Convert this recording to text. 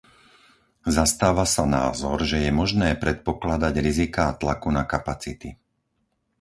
Zastáva sa názor, že je možné predpokladať riziká tlaku na kapacity.